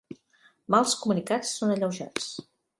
Mals comunicats són alleujats.